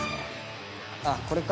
あっこれか。